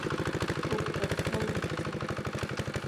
Угәҭакқәа урыхьӡааит!